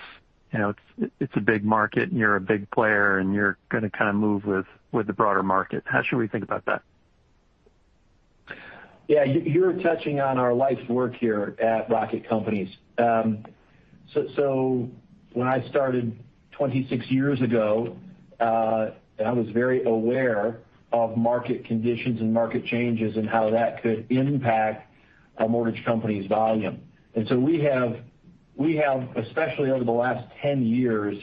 you know, it's a big market and you're a big player, and you're gonna kind of move with the broader market? How should we think about that? Yeah. You're touching on our life's work here at Rocket Companies. When I started 26 years ago, I was very aware of market conditions and market changes and how that could impact a mortgage company's volume. We have, especially over the last 10 years,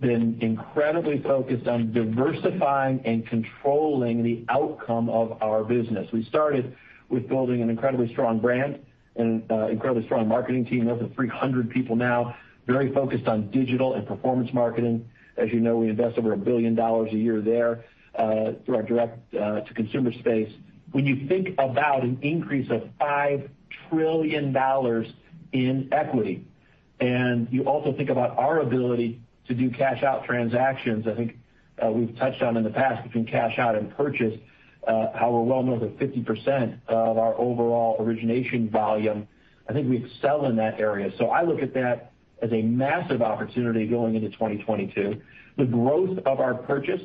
been incredibly focused on diversifying and controlling the outcome of our business. We started with building an incredibly strong brand and incredibly strong marketing team, over 300 people now, very focused on digital and performance marketing. As you know, we invest over $1 billion a year there, through our direct to consumer space. When you think about an increase of $5 trillion in equity, and you also think about our ability to do cash out transactions, I think, we've touched on in the past between cash out and purchase, how we're well north of 50% of our overall origination volume. I think we excel in that area. I look at that as a massive opportunity going into 2022. The growth of our purchase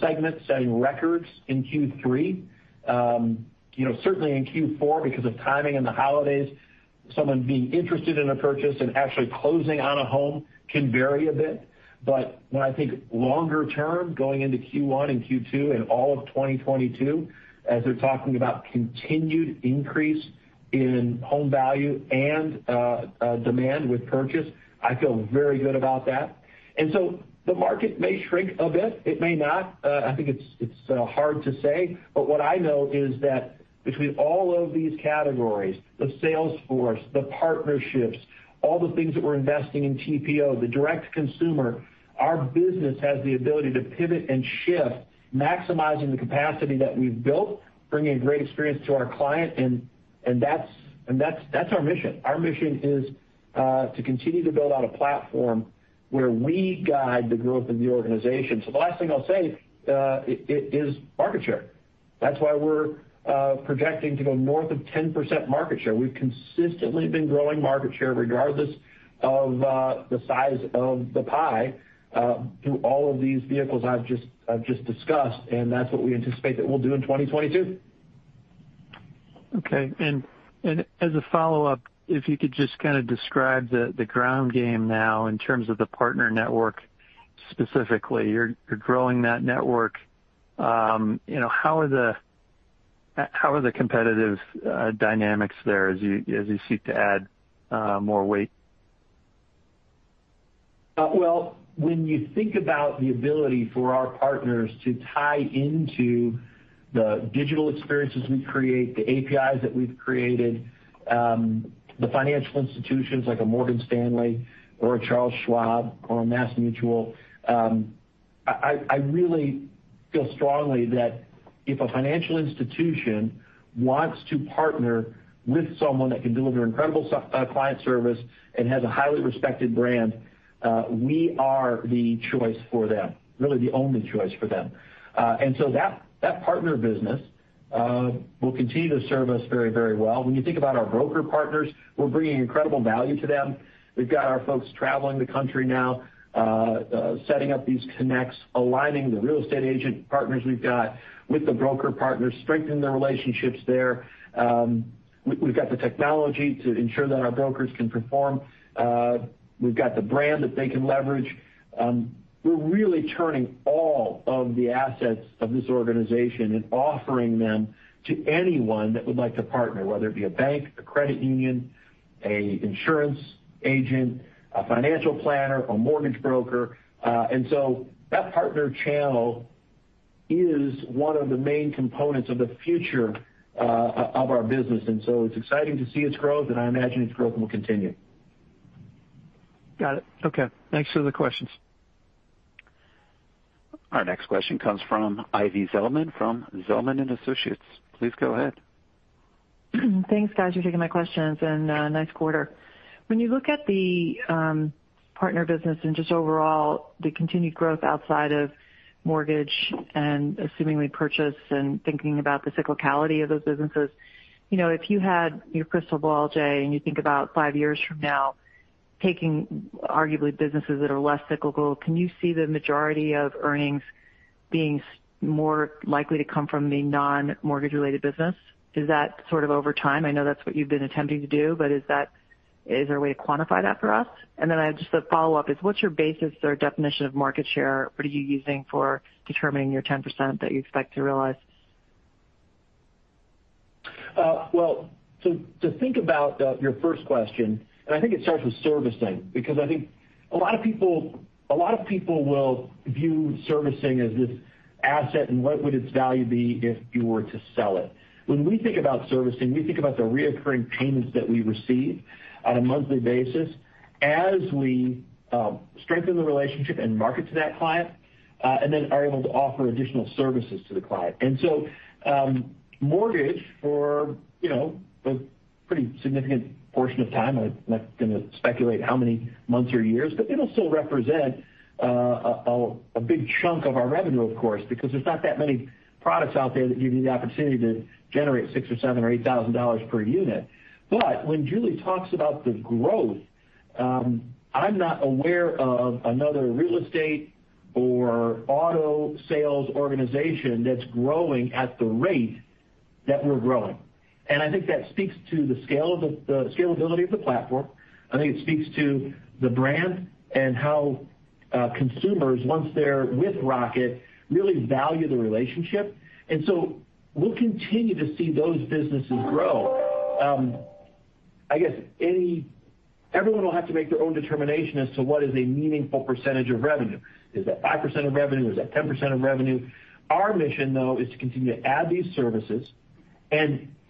segment setting records in Q3, you know, certainly in Q4 because of timing and the holidays, someone being interested in a purchase and actually closing on a home can vary a bit. When I think longer term, going into Q1 and Q2 and all of 2022, as they're talking about continued increase in home value and demand with purchase, I feel very good about that. The market may shrink a bit, it may not. I think it's hard to say. What I know is that between all of these categories, the sales force, the partnerships, all the things that we're investing in TPO, the direct consumer, our business has the ability to pivot and shift, maximizing the capacity that we've built, bringing great experience to our client, and that's our mission. Our mission is to continue to build out a platform where we guide the growth of the organization. The last thing I'll say is market share. That's why we're projecting to go north of 10% market share. We've consistently been growing market share regardless of the size of the pie through all of these vehicles I've just discussed, and that's what we anticipate that we'll do in 2022. Okay, as a follow-up, if you could just kind of describe the ground game now in terms of the partner network specifically. You're growing that network. You know, how are the competitive dynamics there as you seek to add more weight? Well, when you think about the ability for our partners to tie into the digital experiences we create, the APIs that we've created, the financial institutions like a Morgan Stanley or a Charles Schwab or a MassMutual, I really feel strongly that if a financial institution wants to partner with someone that can deliver incredible client service and has a highly respected brand, we are the choice for them, really the only choice for them. That partner business will continue to serve us very, very well. When you think about our broker partners, we're bringing incredible value to them. We've got our folks traveling the country now, setting up these connects, aligning the real estate agent partners we've got with the broker partners, strengthening the relationships there. We've got the technology to ensure that our brokers can perform. We've got the brand that they can leverage. We're really turning all of the assets of this organization and offering them to anyone that would like to partner, whether it be a bank, a credit union, a insurance agent, a financial planner, a mortgage broker. That partner channel is one of the main components of the future of our business. It's exciting to see its growth, and I imagine its growth will continue. Got it. Okay. Thanks for the questions. Our next question comes from Ivy Zelman from Zelman & Associates. Please go ahead. Thanks, guys, for taking my questions, and nice quarter. When you look at the partner business and just overall the continued growth outside of mortgage and assumingly purchase and thinking about the cyclicality of those businesses, you know, if you had your crystal ball, Jay, and you think about five years from now, taking arguably businesses that are less cyclical, can you see the majority of earnings being more likely to come from the non-mortgage related business? Is that sort of over time? I know that's what you've been attempting to do, but is that is there a way to quantify that for us? And then I just a follow-up is what's your basis or definition of market share? What are you using for determining your 10% that you expect to realize? To think about your first question, I think it starts with servicing, because I think a lot of people will view servicing as this asset, and what would its value be if you were to sell it. When we think about servicing, we think about the recurring payments that we receive on a monthly basis as we strengthen the relationship and market to that client, and then are able to offer additional services to the client. Mortgage, for you know, a pretty significant portion of time, I'm not gonna speculate how many months or years, but it'll still represent a big chunk of our revenue, of course, because there's not that many products out there that give you the opportunity to generate $6,000 or $7,000 or $8,000 per unit. When Julie talks about the growth, I'm not aware of another real estate or auto sales organization that's growing at the rate that we're growing. I think that speaks to the scale of the scalability of the platform. I think it speaks to the brand and how consumers, once they're with Rocket, really value the relationship. We'll continue to see those businesses grow. I guess everyone will have to make their own determination as to what is a meaningful percentage of revenue. Is that 5% of revenue? Is that 10% of revenue? Our mission, though, is to continue to add these services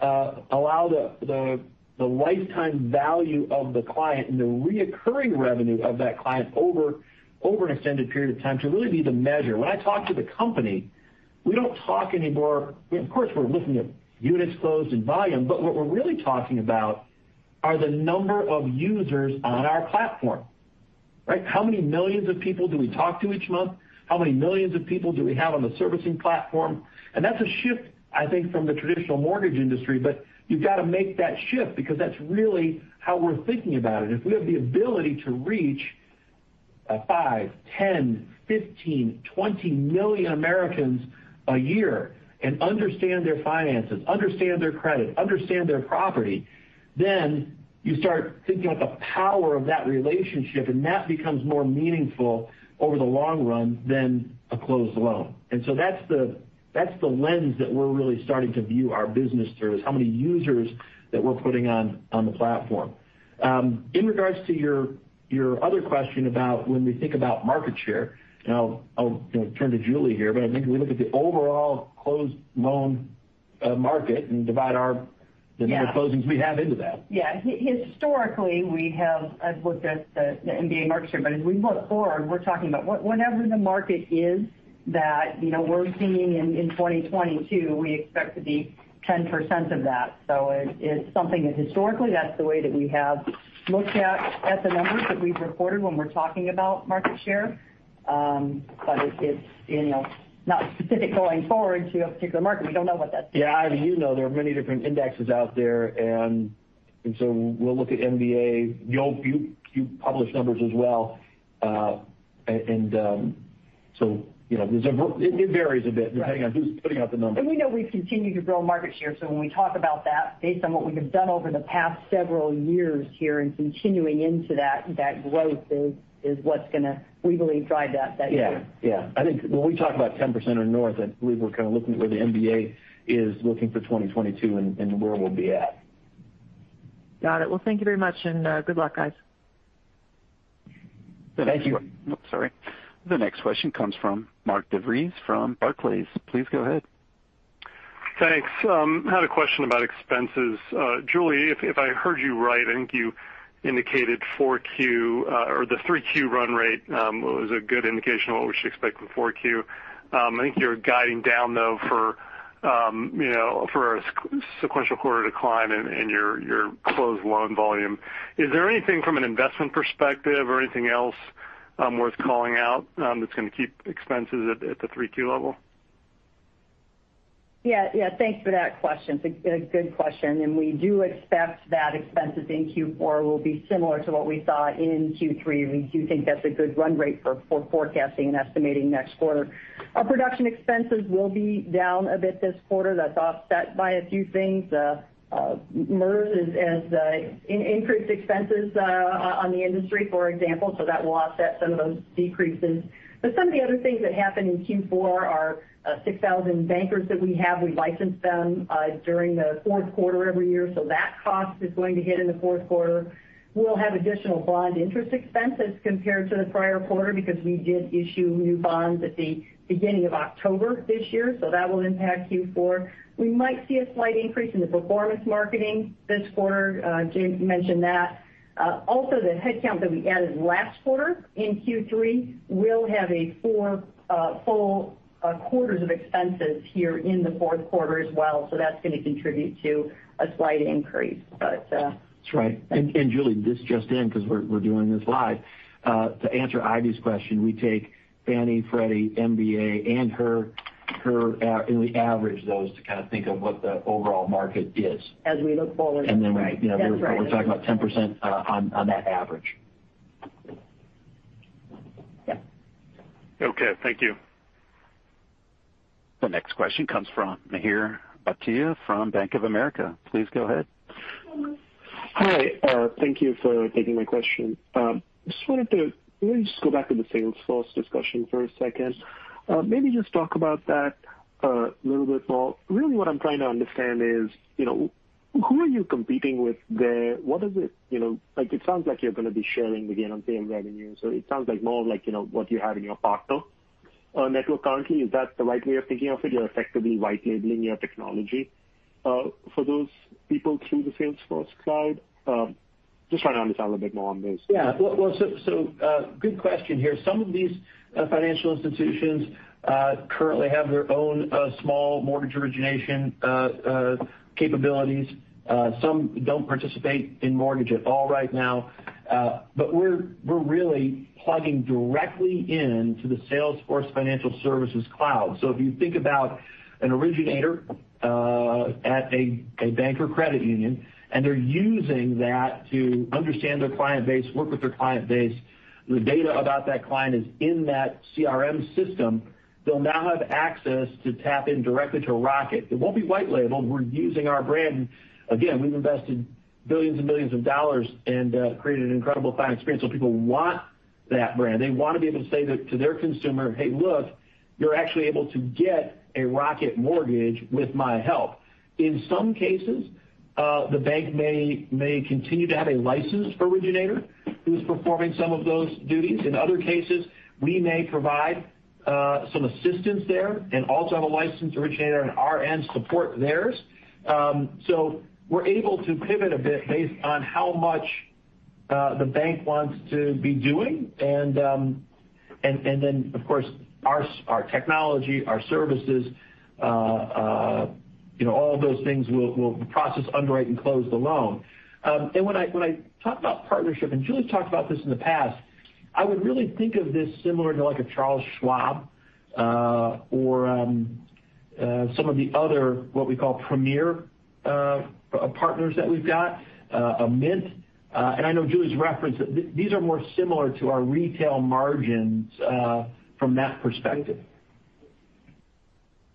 and allow the lifetime value of the client and the recurring revenue of that client over an extended period of time to really be the measure. When I talk to the company, we don't talk anymore. Of course, we're looking at units closed and volume, but what we're really talking about are the number of users on our platform, right? How many millions of people do we talk to each month? How many millions of people do we have on the servicing platform? That's a shift, I think, from the traditional mortgage industry. You've got to make that shift because that's really how we're thinking about it. If we have the ability to reach 5 million, 10 million, 15 million, 20 million Americans a year and understand their finances, understand their credit, understand their property, then you start thinking about the power of that relationship, and that becomes more meaningful over the long run than a closed loan. That's the lens that we're really starting to view our business through, is how many users that we're putting on the platform. In regards to your other question about when we think about market share, and I'll, you know, turn to Julie here, but I think we look at the overall closed loan market and divide our- Yeah. the number of closings we have into that. Historically, I've looked at the MBA market share, but as we look forward, we're talking about whatever the market is that, you know, we're seeing in 2022, we expect to be 10% of that. It, it's something that historically that's the way that we have looked at the numbers that we've reported when we're talking about market share. It's, you know, not specific going forward to a particular market. We don't know what that's going to be. Yeah. I mean, you know, there are many different indexes out there. We'll look at MBA. You publish numbers as well. You know, it varies a bit. Right. depending on who's putting out the numbers. We know we've continued to grow market share. When we talk about that based on what we have done over the past several years here and continuing into that growth is what's gonna, we believe, drive that year. Yeah. I think when we talk about 10% or north, I believe we're kind of looking at where the MBA is looking for 2022 and where we'll be at. Got it. Well, thank you very much, and, good luck, guys. Thank you. Thanks, Ivy. Oops, sorry. The next question comes from Mark DeVries from Barclays. Please go ahead. Thanks. Had a question about expenses. Julie, if I heard you right, I think you indicated Q4 or the Q3 run rate was a good indication of what we should expect with Q4. I think you're guiding down, though, you know, for a sequential quarter decline in your closed loan volume. Is there anything from an investment perspective or anything else worth calling out that's gonna keep expenses at the Q3 level? Yeah. Yeah. Thanks for that question. It's a good question, and we do expect that expenses in Q4 will be similar to what we saw in Q3. We do think that's a good run rate for forecasting and estimating next quarter. Our production expenses will be down a bit this quarter. That's offset by a few things. MERS, as in, increased expenses on the industry, for example. That will offset some of those decreases. Some of the other things that happen in Q4 are 6,000 bankers that we have. We license them during the fourth quarter every year, so that cost is going to hit in the fourth quarter. We'll have additional bond interest expenses compared to the prior quarter because we did issue new bonds at the beginning of October this year, so that will impact Q4. We might see a slight increase in the performance marketing this quarter. James mentioned that. Also, the headcount that we added last quarter in Q3 will have four full quarters of expenses here in the fourth quarter as well. That's gonna contribute to a slight increase, but. That's right. Julie, this just in because we're doing this live. To answer Ivy's question, we take Fannie, Freddie, MBA, and FHFA and average those to kind of think of what the overall market is. As we look forward. Right. That's right. We, you know, we're talking about 10% on that average. Yeah. Okay. Thank you. The next question comes from Mihir Bhatia from Bank of America. Please go ahead. Hi. Thank you for taking my question. Just wanted to maybe just go back to the Salesforce discussion for a second. Maybe just talk about that a little bit more. Really what I'm trying to understand is, you know, who are you competing with there? What is it? You know, like, it sounds like you're gonna be sharing a gain on sale revenue. So it sounds like more of like, you know, what you had in your partner network currently. Is that the right way of thinking of it? You're effectively white labeling your technology for those people through the Salesforce cloud. Just trying to understand a little bit more on this. Yeah. Well, good question here. Some of these financial institutions currently have their own small mortgage origination capabilities. Some don't participate in mortgage at all right now. We're really plugging directly into the Salesforce Financial Services Cloud. If you think about an originator at a bank or credit union, and they're using that to understand their client base, work with their client base. The data about that client is in that CRM system. They'll now have access to tap in directly to Rocket. It won't be white labeled. We're using our brand. Again, we've invested billions and billions of dollars and created an incredible client experience. People want that brand. They wanna be able to say that to their consumer, "Hey, look, you're actually able to get a Rocket Mortgage with my help." In some cases, the bank may continue to have a licensed originator who's performing some of those duties. In other cases, we may provide some assistance there and also have a licensed originator on our end support theirs. We're able to pivot a bit based on how much the bank wants to be doing. Of course, our technology, our services, you know, all of those things will process, underwrite, and close the loan. When I talk about partnership, Julie talked about this in the past. I would really think of this similar to like a Charles Schwab or some of the other what we call premier partners that we've got, a Mint. I know Julie's referenced it. These are more similar to our retail margins from that perspective.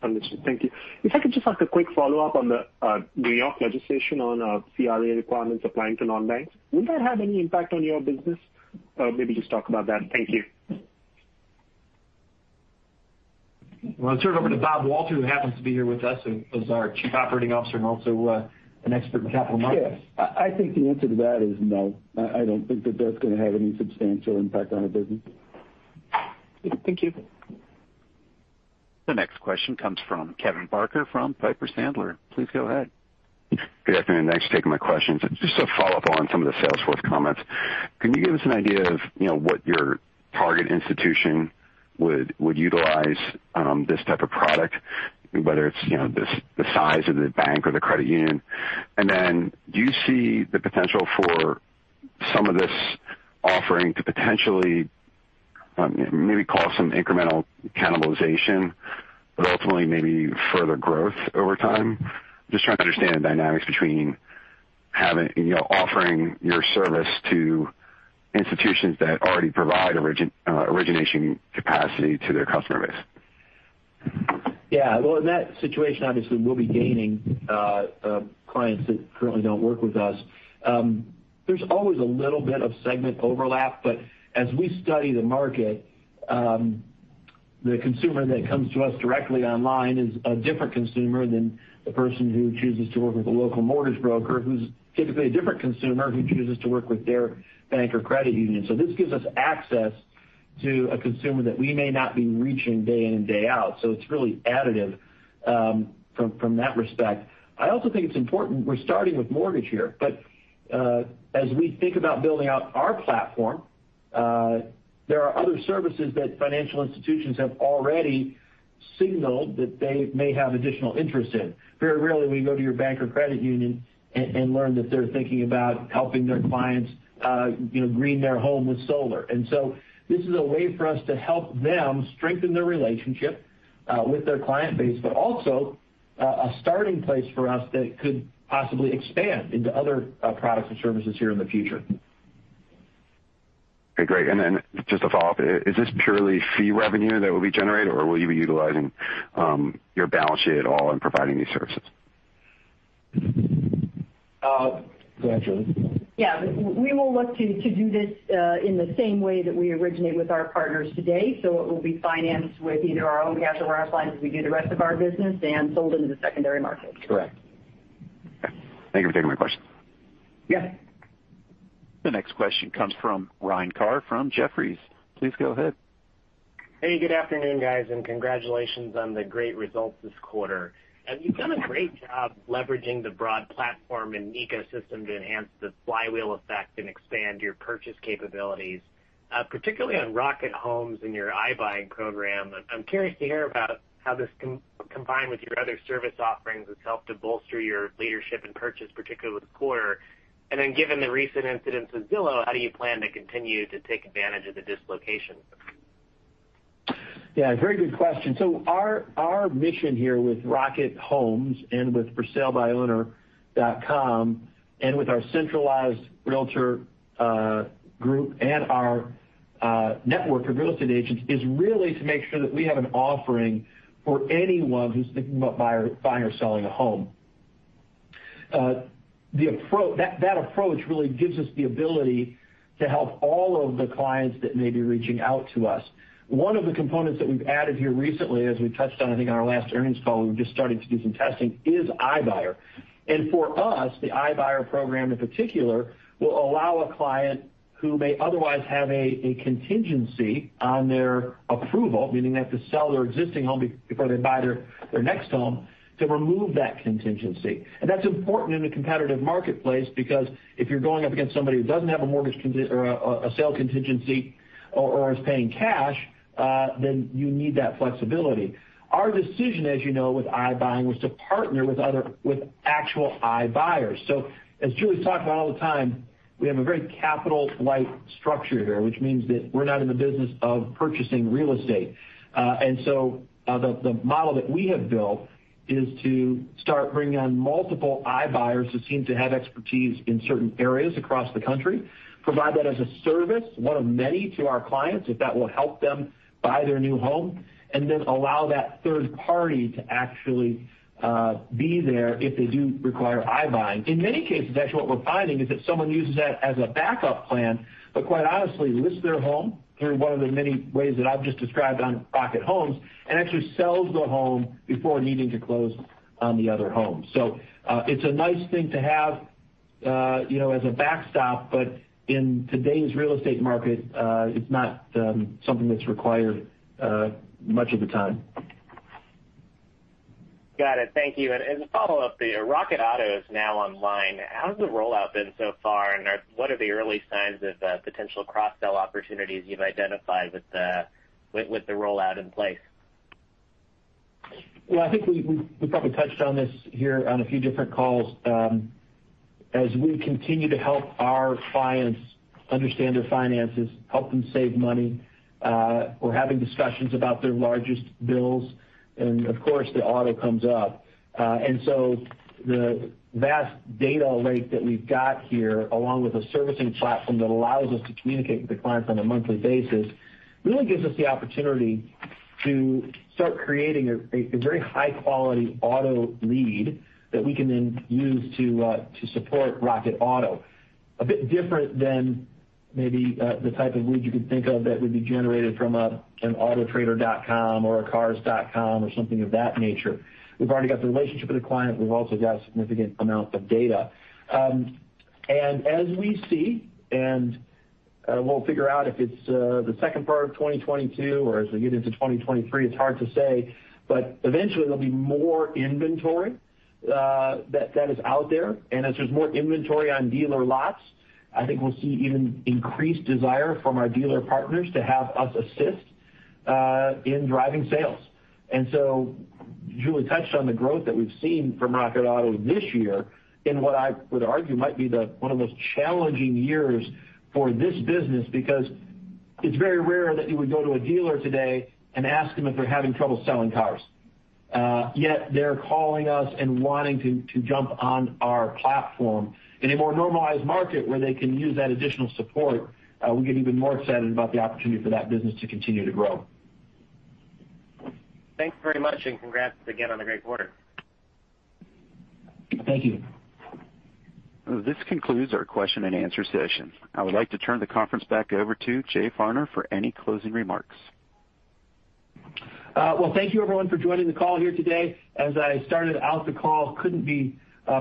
Understood. Thank you. If I could just ask a quick follow-up on the New York legislation on CRA requirements applying to non-banks. Will that have any impact on your business? Maybe just talk about that. Thank you. Well, I'll turn it over to Bob Walters, who happens to be here with us, who is our Chief Operating Officer and also an expert in capital markets. Yeah. I think the answer to that is no. I don't think that that's gonna have any substantial impact on our business. Thank you. The next question comes from Kevin Barker from Piper Sandler. Please go ahead. Good afternoon. Thanks for taking my questions. Just a follow-up on some of the Salesforce comments. Can you give us an idea of, you know, what your target institution would utilize this type of product, whether it's, you know, the size of the bank or the credit union? Do you see the potential for some of this offering to potentially maybe cause some incremental cannibalization, but ultimately maybe further growth over time? Just trying to understand the dynamics between having, you know, offering your service to institutions that already provide origination capacity to their customer base. Yeah. Well, in that situation, obviously, we'll be gaining clients that currently don't work with us. There's always a little bit of segment overlap, but as we study the market, the consumer that comes to us directly online is a different consumer than the person who chooses to work with a local mortgage broker, who's typically a different consumer who chooses to work with their bank or credit union. This gives us access to a consumer that we may not be reaching day in and day out. It's really additive, from that respect. I also think it's important we're starting with mortgage here, but as we think about building out our platform, there are other services that financial institutions have already signaled that they may have additional interest in. Very rarely will you go to your bank or credit union and learn that they're thinking about helping their clients, you know, green their home with solar. This is a way for us to help them strengthen their relationship with their client base, but also a starting place for us that could possibly expand into other products and services here in the future. Okay, great. Just a follow-up. Is this purely fee revenue that will be generated, or will you be utilizing your balance sheet at all in providing these services? Go ahead, Julie. We will look to do this in the same way that we originate with our partners today. It will be financed with either our own cash or our supplies as we do the rest of our business and sold into the secondary market. Correct. Okay. Thank you for taking my questions. Yes. The next question comes from Ryan Carr from Jefferies. Please go ahead. Hey, good afternoon, guys, and congratulations on the great results this quarter. You've done a great job leveraging the broad platform and ecosystem to enhance the flywheel effect and expand your purchase capabilities, particularly on Rocket Homes and your iBuying program. I'm curious to hear about how this, combined with your other service offerings, it's helped to bolster your leadership in purchase, particularly this quarter. Given the recent incidents with Zillow, how do you plan to continue to take advantage of the dislocation? Yeah, very good question. Our mission here with Rocket Homes and with ForSaleByOwner.com, and with our centralized realtor group and our network of real estate agents, is really to make sure that we have an offering for anyone who's thinking about buying or selling a home. That approach really gives us the ability to help all of the clients that may be reaching out to us. One of the components that we've added here recently, as we touched on, I think, on our last earnings call, and we're just starting to do some testing, is iBuyer. For us, the iBuyer program in particular, will allow a client who may otherwise have a contingency on their approval, meaning they have to sell their existing home before they buy their next home, to remove that contingency. That's important in a competitive marketplace, because if you're going up against somebody who doesn't have a mortgage or a sale contingency or is paying cash, then you need that flexibility. Our decision, as you know, with iBuyer was to partner with actual iBuyers. As Julie's talked about all the time, we have a very capital light structure here, which means that we're not in the business of purchasing real estate. The model that we have built is to start bringing on multiple iBuyers who seem to have expertise in certain areas across the country, provide that as a service, one of many to our clients, if that will help them buy their new home, and then allow that third party to actually be there if they do require iBuyer. In many cases, actually what we're finding is that someone uses that as a backup plan, but quite honestly, lists their home through one of the many ways that I've just described on Rocket Homes, and actually sells the home before needing to close on the other home. It's a nice thing to have, you know, as a backstop, but in today's real estate market, it's not something that's required much of the time. Got it. Thank you. As a follow-up, the Rocket Auto is now online. How's the rollout been so far, and what are the early signs of potential cross-sell opportunities you've identified with the rollout in place? Well, I think we probably touched on this here on a few different calls. As we continue to help our clients understand their finances, help them save money, we're having discussions about their largest bills, and of course, the auto comes up. The vast data lake that we've got here, along with a servicing platform that allows us to communicate with the clients on a monthly basis, really gives us the opportunity to start creating a very high quality auto lead that we can then use to support Rocket Auto. A bit different than maybe the type of lead you could think of that would be generated from an autotrader.com or a cars.com or something of that nature. We've already got the relationship with the client. We've also got a significant amount of data. As we see, we'll figure out if it's the second part of 2022 or as we get into 2023. It's hard to say, but eventually there'll be more inventory that is out there. As there's more inventory on dealer lots, I think we'll see even increased desire from our dealer partners to have us assist in driving sales. Julie touched on the growth that we've seen from Rocket Auto this year in what I would argue might be one of the most challenging years for this business, because it's very rare that you would go to a dealer today and ask them if they're having trouble selling cars. Yet they're calling us and wanting to jump on our platform. In a more normalized market where they can use that additional support, we get even more excited about the opportunity for that business to continue to grow. Thanks very much, and congrats again on a great quarter. Thank you. This concludes our question-and-answer session. I would like to turn the conference back over to Jay Farner for any closing remarks. Well, thank you everyone for joining the call here today. As I started out the call, couldn't be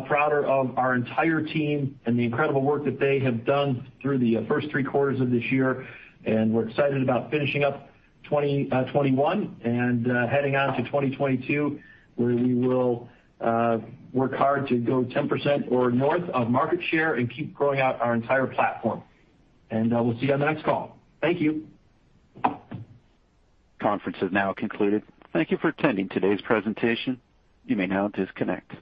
prouder of our entire team and the incredible work that they have done through the first three quarters of this year. We're excited about finishing up 2021 and heading on to 2022, where we will work hard to go 10% or north of market share and keep growing out our entire platform. We'll see you on the next call. Thank you. Conference is now concluded. Thank you for attending today's presentation. You may now disconnect.